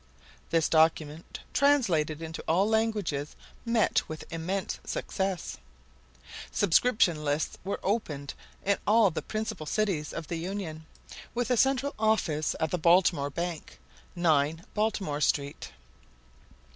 This document, translated into all languages, met with immense success. Subscription lists were opened in all the principal cities of the Union, with a central office at the Baltimore Bank, 9 Baltimore Street.